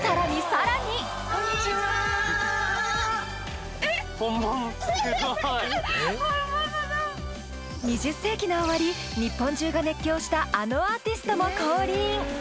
・こんにちは２０世紀の終わり日本中が熱狂したあのアーティストも降臨